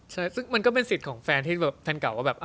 ครับแล้วมันก็เป็นสิทธิ์ของแฟนที่แฟนเก่าว่า